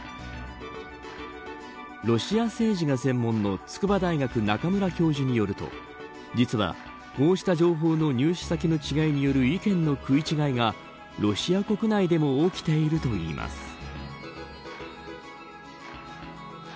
ロシア政治が専門の筑波大学中村教授によると実は、こうした情報の入手先の違いによる意見の食い違いがロシア国内でも起きているといいます。